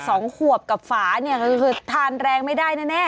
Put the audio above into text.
โอ้นี่แง